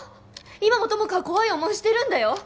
今も友果は怖い思いしてるんだよ！